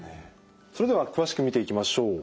それでは詳しく見ていきましょう。